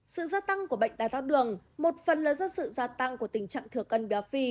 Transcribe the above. sự gia tăng của bệnh đai thác đường một phần là do sự gia tăng của tình trạng bệnh